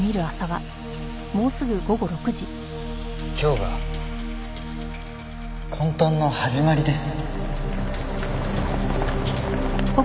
今日が混沌の始まりです。